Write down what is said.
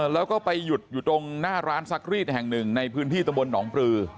แล้วก็ไปหยุดอยู่ตรงหน้าร้านซักรีดแห่งหนึ่งในพื้นที่ตะบนหนองปลือ